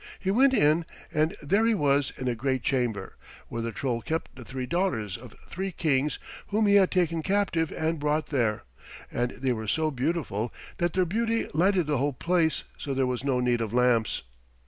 He went in, and there he was in a great chamber, where the Troll kept the three daughters of three Kings whom he had taken captive and brought there, and they were so beautiful that their beauty lighted the whole place so there was no need of lamps.